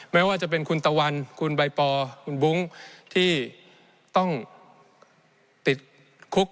ไม่ว่าจะเป็นคุณตะวันคุณใบปอคุณบุ้งที่ต้องติดคุก